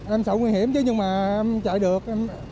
em sợ nguy hiểm chứ nhưng mà em chạy được